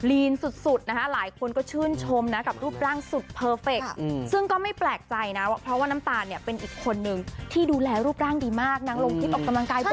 ลีนสุดนะฮะหลายคนก็ชื่นชมนะกับรูปร่างสุดเพอร์เฟคซึ่งก็ไม่แปลกใจนะว่าเพราะว่าน้ำตาลเนี่ยเป็นอีกคนนึงที่ดูแลรูปร่างดีมากนางลงคลิปออกกำลังกายบ่อย